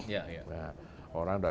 ya ya nah orang sudah